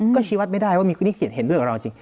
ก็ชี้วัดไม่ได้ว่ามีคนที่เขียนด้วยกับเราจริง